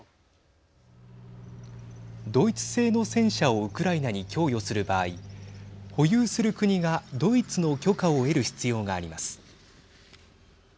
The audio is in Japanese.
ドイツ製の戦車をウクライナに供与する場合保有する国がドイツの許可を得る必要があります。